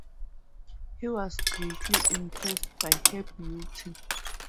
He was greatly impressed by her beauty.